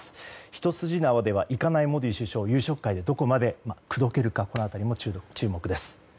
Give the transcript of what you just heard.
一筋縄ではいかないモディ首相を夕食会でどこまで口説けるかこのあとにも注目です。